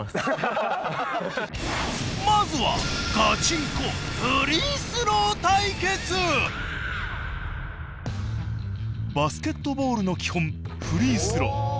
まずはガチンコバスケットボールの基本フリースロー。